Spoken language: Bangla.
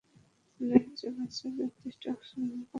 মনে হচ্ছে বাচ্চা যথেষ্ট অক্সিজেন পাচ্ছে না।